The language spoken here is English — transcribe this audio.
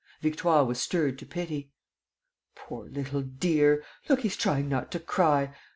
Victoire was stirred to pity: "Poor little dear! Look, he's trying not to cry!...